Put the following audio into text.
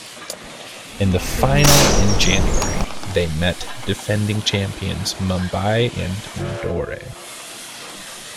In the final in January, they met defending champions Mumbai in Indore.